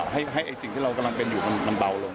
ให้สิ่งที่เรากำลังเป็นอยู่มันเบาลง